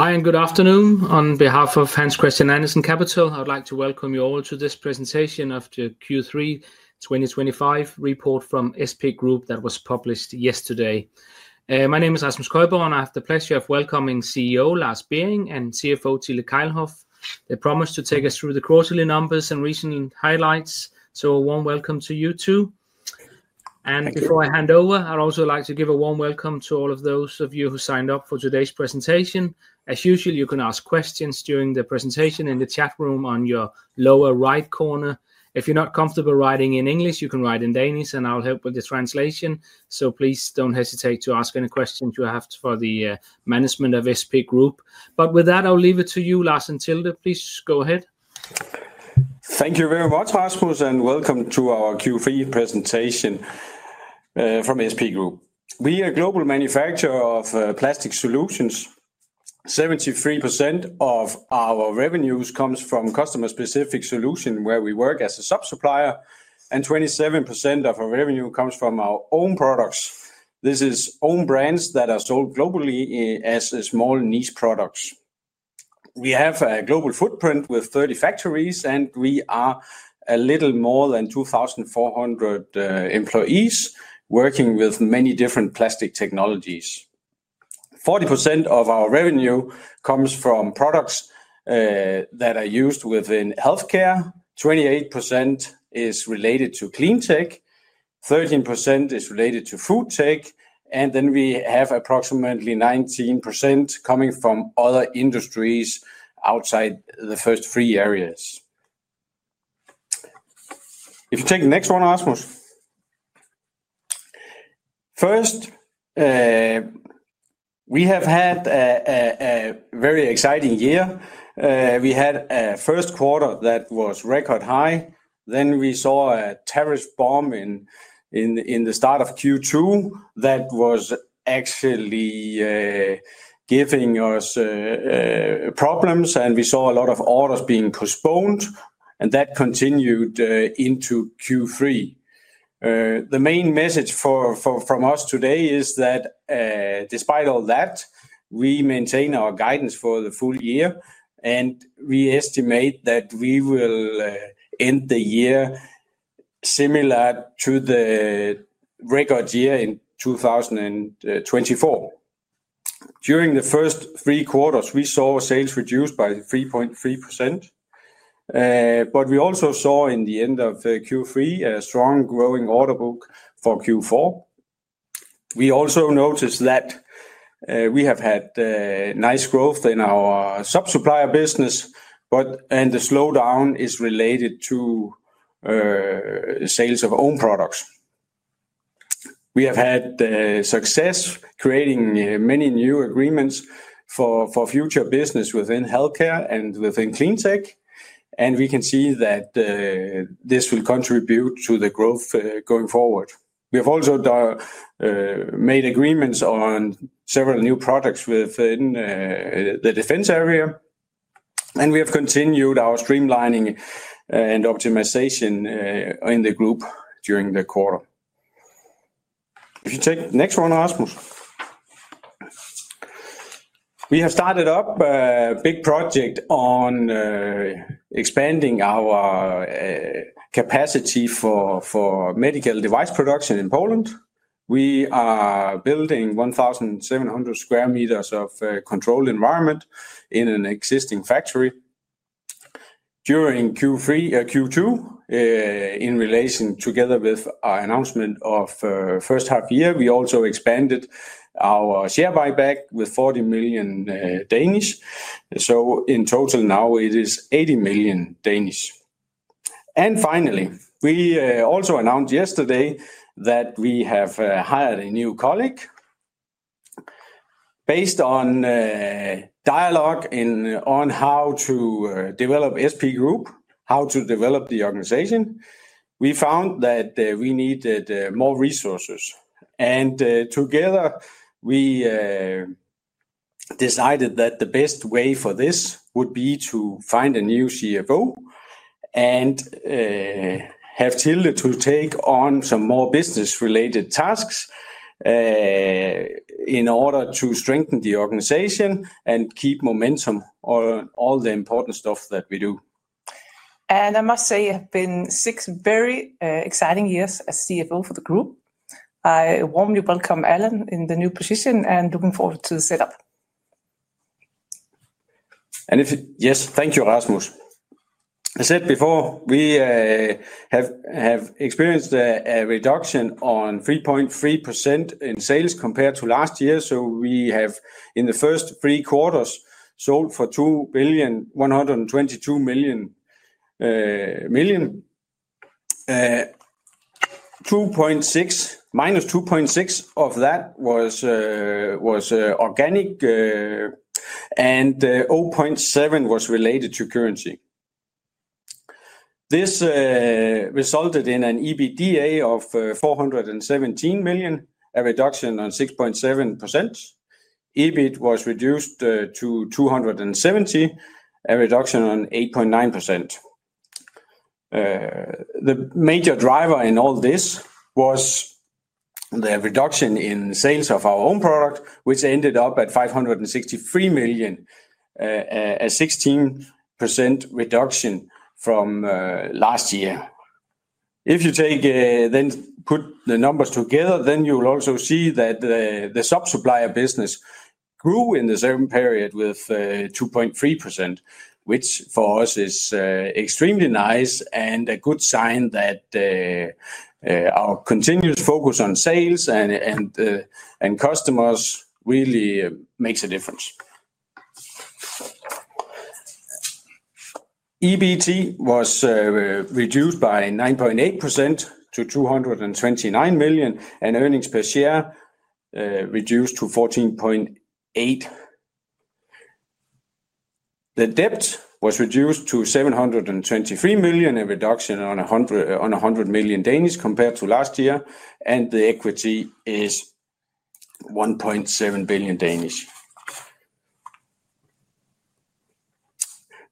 Hi and good afternoon. On behalf of Hans Christian Andersen Capital, I'd like to welcome you all to this presentation of the Q3 2025 report from SP Group that was published yesterday. My name is Asim Skojbo and I have the pleasure of welcoming CEO Lars Bering and CFO Tilde Kejlhof. They promised to take us through the quarterly numbers and recent highlights, so a warm welcome to you too. Before I hand over, I'd also like to give a warm welcome to all of those of you who signed up for today's presentation. As usual, you can ask questions during the presentation in the chat room on your lower right corner. If you're not comfortable writing in English, you can write in Danish, and I'll help with the translation. Please don't hesitate to ask any questions you have for the management of SP Group. With that, I'll leave it to you, Lars and Tilde. Please go ahead. Thank you very much, Rasmus, and welcome to our Q3 presentation from SP Group. We are a global manufacturer of plastic solutions. 73% of our revenues come from customer-specific solutions where we work as a sub-supplier, and 27% of our revenue comes from our own products. This is own brands that are sold globally as small niche products. We have a global footprint with 30 factories, and we are a little more than 2,400 employees working with many different plastic technologies. 40% of our revenue comes from products that are used within healthcare. 28% is related to clean tech. 13% is related to food tech. We have approximately 19% coming from other industries outside the first three areas. If you take the next one, Rasmus. First, we have had a very exciting year. We had a first quarter that was record high. We saw a tariff bomb in the start of Q2 that was actually giving us problems, and we saw a lot of orders being postponed, and that continued into Q3. The main message from us today is that despite all that, we maintain our guidance for the full year, and we estimate that we will end the year similar to the record year in 2024. During the first three quarters, we saw sales reduced by 3.3%, but we also saw in the end of Q3 a strong growing order book for Q4. We also noticed that we have had nice growth in our sub-supplier business, but the slowdown is related to sales of own products. We have had success creating many new agreements for future business within healthcare and within clean tech, and we can see that this will contribute to the growth going forward. We have also made agreements on several new products within the defense area, and we have continued our streamlining and optimization in the group during the quarter. If you take the next one, Rasmus. We have started up a big project on expanding our capacity for medical device production in Poland. We are building 1,700 sq m of control environment in an existing factory. During Q2, in relation together with our announcement of first half year, we also expanded our share buyback with 40 million. In total now, it is 80 million. Finally, we also announced yesterday that we have hired a new colleague. Based on dialogue on how to develop SP Group, how to develop the organization, we found that we needed more resources. Together, we decided that the best way for this would be to find a new CFO and have Tilde take on some more business-related tasks in order to strengthen the organization and keep momentum on all the important stuff that we do. I must say it has been six very exciting years as CFO for the group. I warmly welcome Alan in the new position and looking forward to the setup. Yes, thank you, Rasmus. I said before, we have experienced a reduction of 3.3% in sales compared to last year. We have, in the first three quarters, sold for 2,122 million. 2.6 million, minus 2.6 million of that was organic, and 0.7 million was related to currency. This resulted in an EBITDA of 417 million, a reduction of 6.7%. EBIT was reduced to 270 million, a reduction of 8.9%. The major driver in all this was the reduction in sales of our own product, which ended up at 563 million, a 16% reduction from last year. If you then put the numbers together, you will also see that the sub-supplier business grew in the same period with 2.3%, which for us is extremely nice and a good sign that our continuous focus on sales and customers really makes a difference. EBIT was reduced by 9.8% to 229 million, and earnings per share reduced to 14.8. The debt was reduced to 723 million, a reduction of 100 million compared to last year, and the equity is 1.7 billion.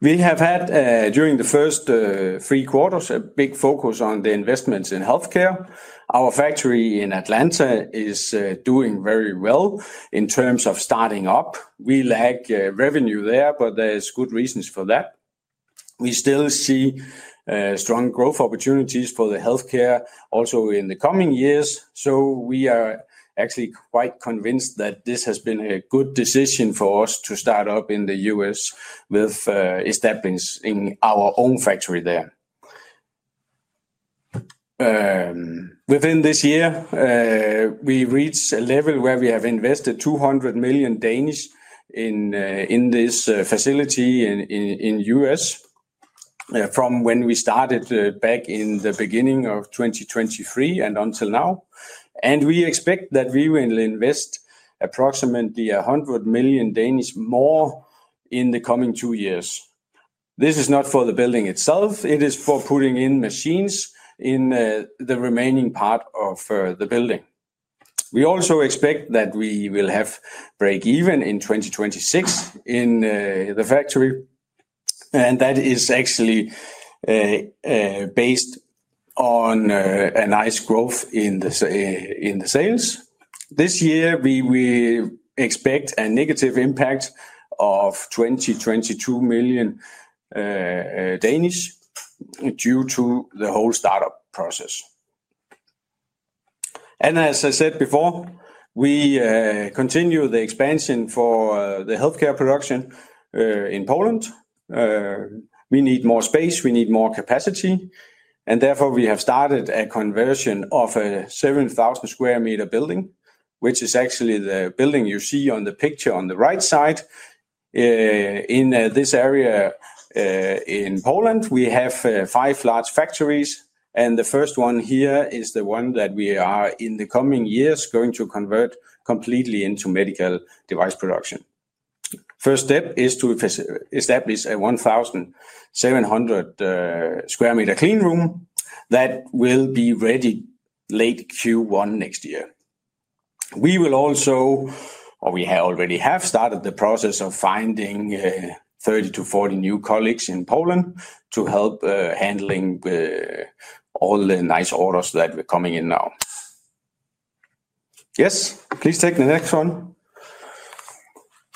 We have had, during the first three quarters, a big focus on the investments in healthcare. Our factory in Atlanta is doing very well in terms of starting up. We lack revenue there, but there's good reasons for that. We still see strong growth opportunities for the healthcare also in the coming years. We are actually quite convinced that this has been a good decision for us to start up in the U.S. with establishing our own factory there. Within this year, we reached a level where we have invested 200 million in this facility in the U.S. from when we started back in the beginning of 2023 and until now. We expect that we will invest approximately 100 million more in the coming two years. This is not for the building itself. It is for putting in machines in the remaining part of the building. We also expect that we will have break-even in 2026 in the factory, and that is actually based on a nice growth in the sales. This year, we expect a negative impact of 20-22 million due to the whole startup process. As I said before, we continue the expansion for the healthcare production in Poland. We need more space. We need more capacity. Therefore, we have started a conversion of a 7,000 sq m building, which is actually the building you see on the picture on the right side. In this area in Poland, we have five large factories, and the first one here is the one that we are in the coming years going to convert completely into medical device production. The first step is to establish a 1,700 sq m clean room that will be ready late Q1 next year. We will also, or we already have started the process of finding 30-40 new colleagues in Poland to help handling all the nice orders that are coming in now. Yes, please take the next one.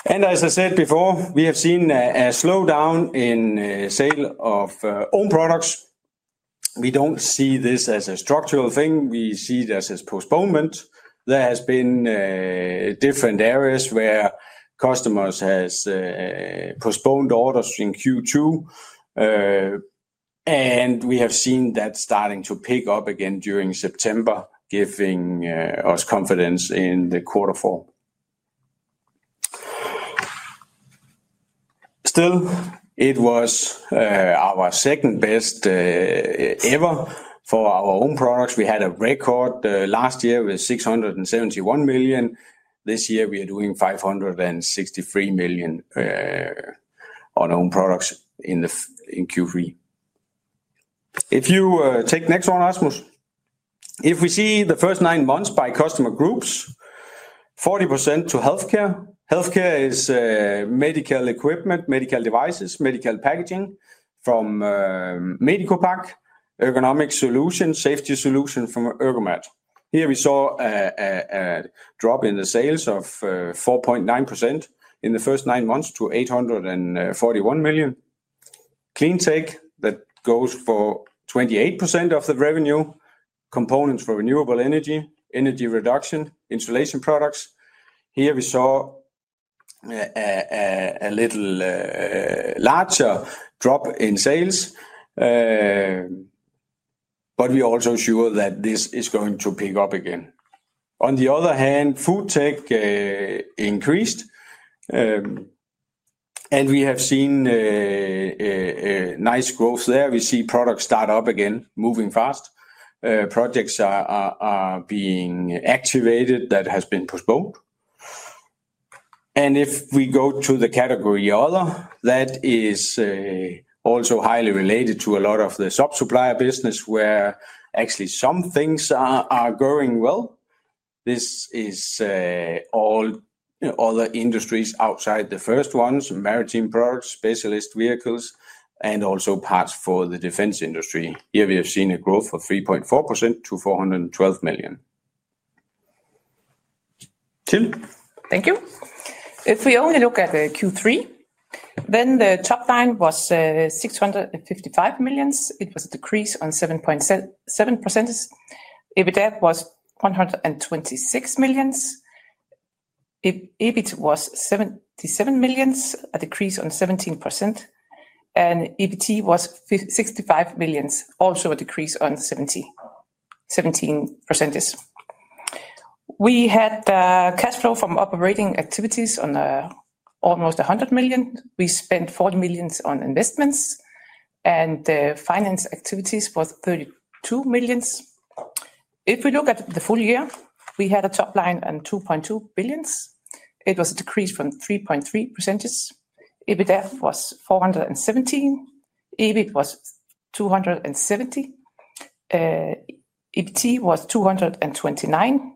As I said before, we have seen a slowdown in sale of own products. We do not see this as a structural thing. We see it as a postponement. There have been different areas where customers have postponed orders in Q2, and we have seen that starting to pick up again during September, giving us confidence in the quarter four. Still, it was our second best ever for our own products. We had a record last year with 671 million. This year, we are doing 563 million on own products in Q3. If you take the next one, Rasmus, if we see the first nine months by customer groups, 40% to healthcare. Healthcare is medical equipment, medical devices, medical packaging from Medico Pack, ergonomic solutions, safety solutions from Ergomat. Here we saw a drop in the sales of 4.9% in the first nine months to 841 million. Clean tech that goes for 28% of the revenue, components for renewable energy, energy reduction, insulation products. Here we saw a little larger drop in sales, but we are also sure that this is going to pick up again. On the other hand, food tech increased, and we have seen nice growth there. We see products start up again, moving fast. Projects are being activated that have been postponed. If we go to the category other, that is also highly related to a lot of the sub-supplier business where actually some things are going well. This is all other industries outside the first ones, maritime products, specialist vehicles, and also parts for the defense industry. Here we have seen a growth of 3.4% to 412 million. Tilde. Thank you. If we only look at Q3, then the top line was 655 million. It was a decrease of 7.7%. EBITDA was 126 million. EBIT was 77 million, a decrease of 17%. EBIT was 65 million, also a decrease of 17%. We had cash flow from operating activities of almost 100 million. We spent 40 million on investments, and finance activities was 32 million. If we look at the full year, we had a top line of 2.2 billion. It was a decrease of 3.3%. EBITDA was 417 million. EBIT was 270 million. EBIT was 229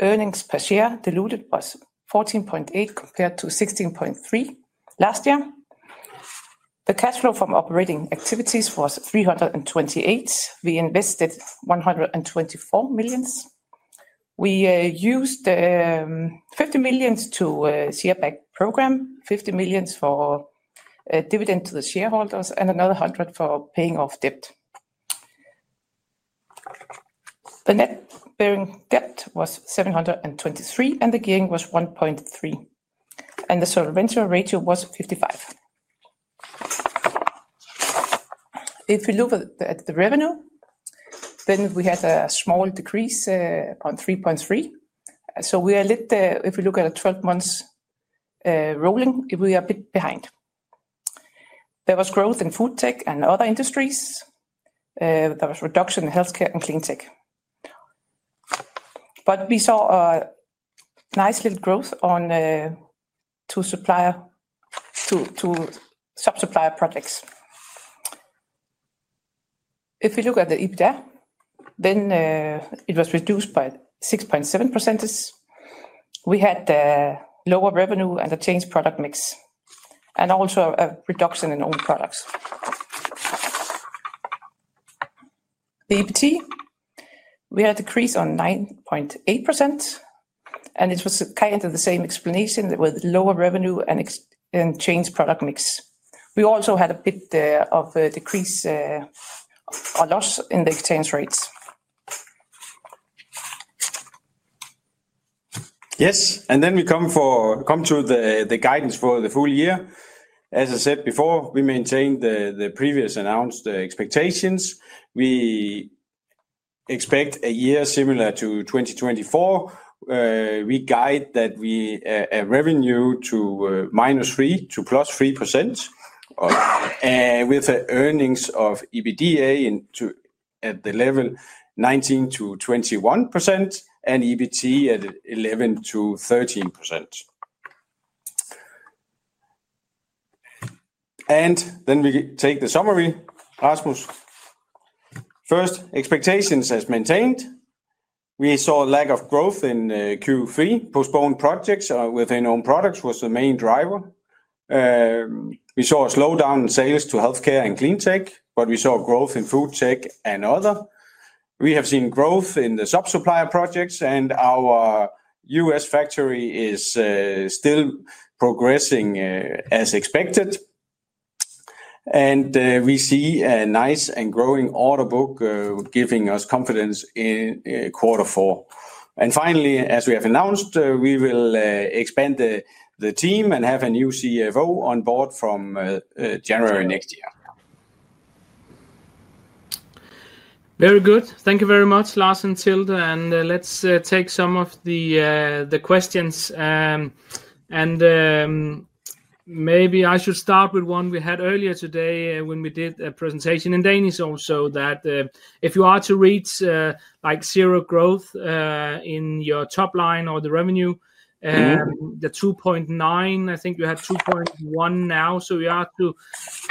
million. Earnings per share diluted was 14.8 compared to 16.3 last year. The cash flow from operating activities was 328 million. We invested 124 million. We used 50 million to share back program, 50 million for dividend to the shareholders, and another 100 million for paying off debt. The net bearing debt was 723, and the gain was 1.3. The surveillance ratio was 55. If we look at the revenue, we had a small decrease on 3.3. We are a little, if we look at the 12 months rolling, we are a bit behind. There was growth in food tech and other industries. There was reduction in healthcare and clean tech. We saw a nice little growth on two sub-supplier projects. If we look at the EBITDA, it was reduced by 6.7%. We had lower revenue and a changed product mix, and also a reduction in own products. The EBIT, we had a decrease on 9.8%, and it was kind of the same explanation with lower revenue and changed product mix. We also had a bit of a decrease or loss in the exchange rates. Yes, and then we come to the guidance for the full year. As I said before, we maintained the previous announced expectations. We expect a year similar to 2024. We guide that revenue to -3% to +3% with earnings of EBITDA at the level 19%-21% and EBIT at 11%-13%. And then we take the summary, Rasmus. First, expectations as maintained. We saw a lack of growth in Q3. Postponed projects within own products was the main driver. We saw a slowdown in sales to healthcare and clean tech, but we saw growth in food tech and other. We have seen growth in the sub-supplier projects, and our U.S. factory is still progressing as expected. And we see a nice and growing order book giving us confidence in quarter four. Finally, as we have announced, we will expand the team and have a new CFO on board from January next year. Very good. Thank you very much, Lars and Tilde. Let's take some of the questions. Maybe I should start with one we had earlier today when we did a presentation in Danish also, that if you are to read like zero growth in your top line or the revenue, the 2.9 billion, I think you had 2.1 billion now. You have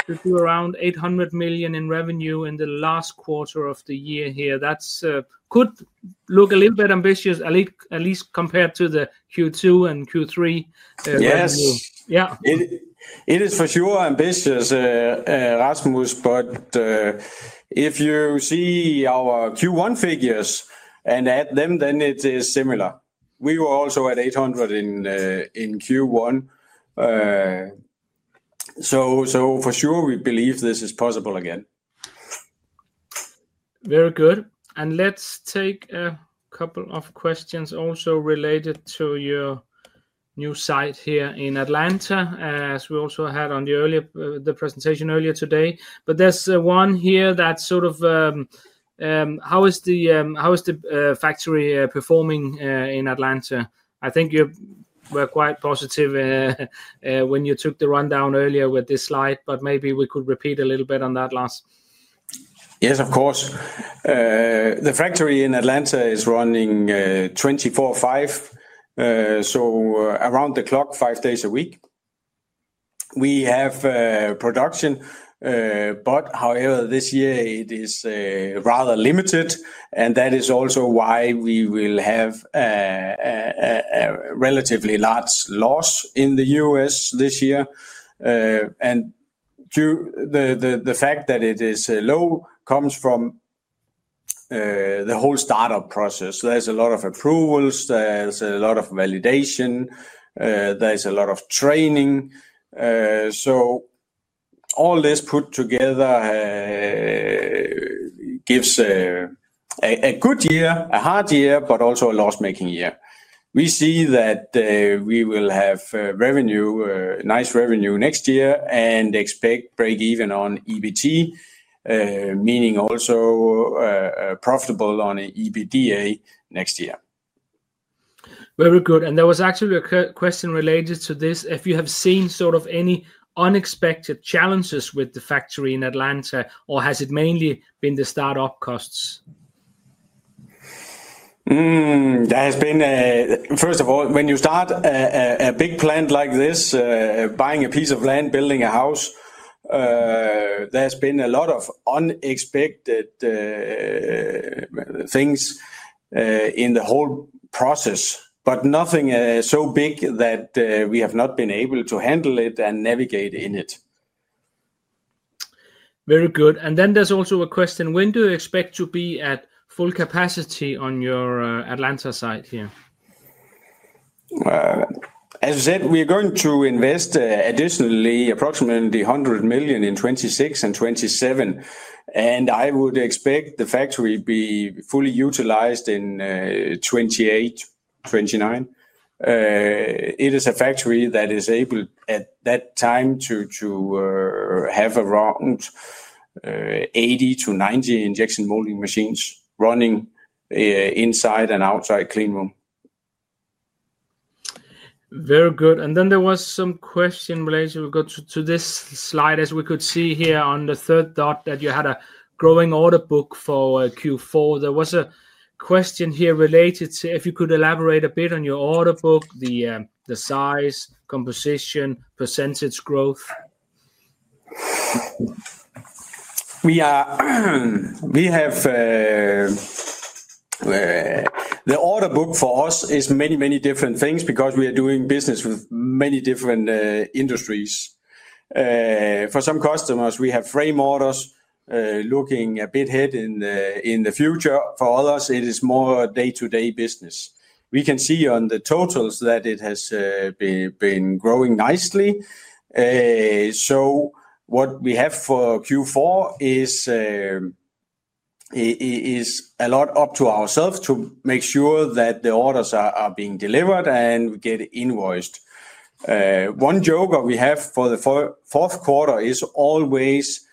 to do around 800 million in revenue in the last quarter of the year here. That could look a little bit ambitious, at least compared to the Q2 and Q3 revenue. Yes. It is for sure ambitious, Rasmus, but if you see our Q1 figures and add them, then it is similar. We were also at 800 in Q1. For sure, we believe this is possible again. Very good. Let's take a couple of questions also related to your new site here in Atlanta, as we also had on the earlier presentation earlier today. There is one here that is sort of how is the factory performing in Atlanta? I think you were quite positive when you took the rundown earlier with this slide, but maybe we could repeat a little bit on that, Lars. Yes, of course. The factory in Atlanta is running 24/5, so around the clock, five days a week. We have production; however, this year it is rather limited, and that is also why we will have a relatively large loss in the U.S. this year. The fact that it is low comes from the whole startup process. There is a lot of approvals. There is a lot of validation. There is a lot of training. All this put together gives a good year, a hard year, but also a loss-making year. We see that we will have revenue, nice revenue next year, and expect break-even on EBIT, meaning also profitable on EBITDA next year. Very good. There was actually a question related to this. Have you seen sort of any unexpected challenges with the factory in Atlanta, or has it mainly been the startup costs? There has been, first of all, when you start a big plant like this, buying a piece of land, building a house, there has been a lot of unexpected things in the whole process, but nothing so big that we have not been able to handle it and navigate in it. Very good. There is also a question. When do you expect to be at full capacity on your Atlanta site here? As I said, we are going to invest additionally approximately 100 million in 2026 and 2027. I would expect the factory to be fully utilized in 2028-2029. It is a factory that is able at that time to have around 80-90 injection molding machines running inside and outside clean room. Very good. There was some question related to this slide. As we could see here on the third dot that you had a growing order book for Q4, there was a question here related to if you could elaborate a bit on your order book, the size, composition, percentage growth. The order book for us is many, many different things because we are doing business with many different industries. For some customers, we have frame orders looking a bit ahead in the future. For others, it is more day-to-day business. We can see on the totals that it has been growing nicely. What we have for Q4 is a lot up to ourselves to make sure that the orders are being delivered and get invoiced. One joke we have for the fourth quarter is always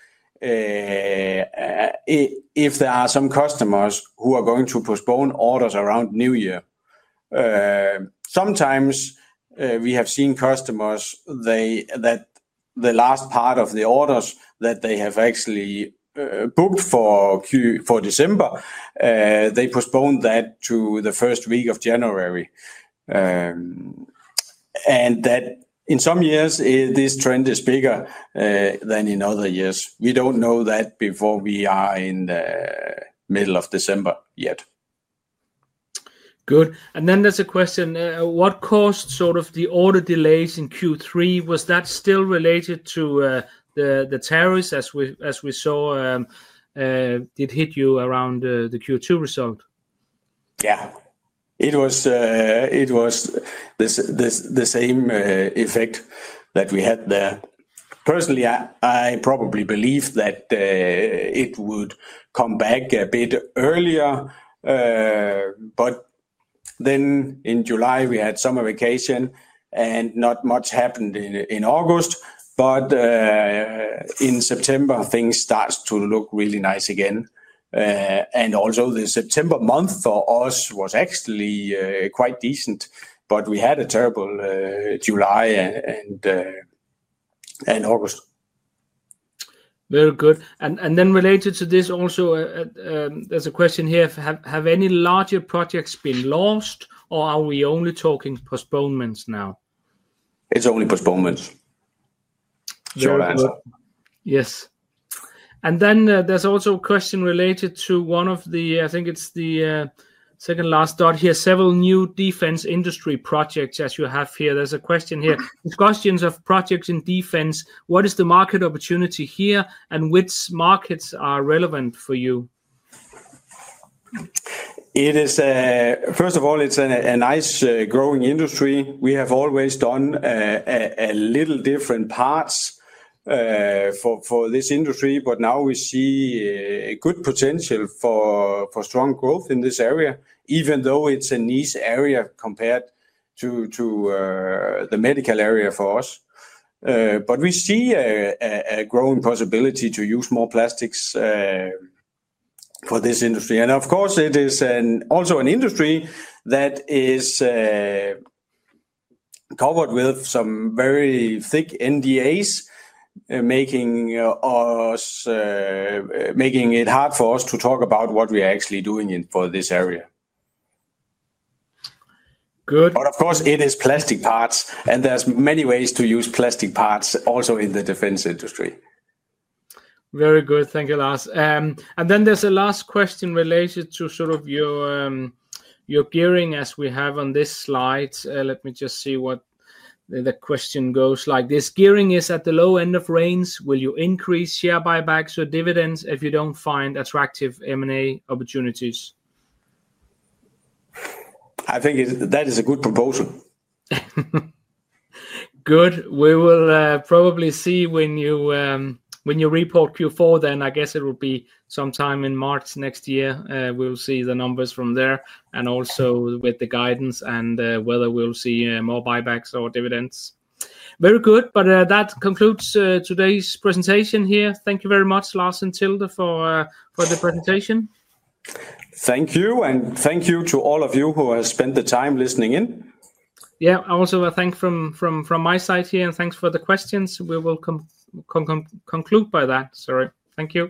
if there are some customers who are going to postpone orders around New Year. Sometimes we have seen customers that the last part of the orders that they have actually booked for December, they postponed that to the first week of January. In some years, this trend is bigger than in other years. We don't know that before we are in the middle of December yet. Good. There is a question. What caused sort of the order delays in Q3? Was that still related to the tariffs as we saw did hit you around the Q2 result? Yeah. It was the same effect that we had there. Personally, I probably believe that it would come back a bit earlier. In July, we had summer vacation and not much happened in August. In September, things start to look really nice again. Also, the September month for us was actually quite decent, but we had a terrible July and August. Very good. Related to this also, there's a question here. Have any larger projects been lost, or are we only talking postponements now? It's only postponements. Short answer. Yes. There is also a question related to one of the, I think it's the second last dot here, several new defense industry projects as you have here. There is a question here. Discussions of projects in defense, what is the market opportunity here and which markets are relevant for you? First of all, it's a nice growing industry. We have always done a little different parts for this industry, but now we see good potential for strong growth in this area, even though it's a niche area compared to the medical area for us. We see a growing possibility to use more plastics for this industry. Of course, it is also an industry that is covered with some very thick NDAs, making it hard for us to talk about what we are actually doing for this area. Good. Of course, it is plastic parts, and there's many ways to use plastic parts also in the defense industry. Very good. Thank you, Lars. There is a last question related to sort of your gearing as we have on this slide. Let me just see what the question goes like. This gearing is at the low end of range. Will you increase share buybacks or dividends if you do not find attractive M&A opportunities? I think that is a good proposal. Good. We will probably see when you report Q4, then I guess it will be sometime in March next year. We'll see the numbers from there and also with the guidance and whether we'll see more buybacks or dividends. Very good. That concludes today's presentation here. Thank you very much, Lars and Tilde, for the presentation. Thank you. Thank you to all of you who have spent the time listening in. Yeah. Also, a thank you from my side here, and thanks for the questions. We will conclude by that. Sorry. Thank you.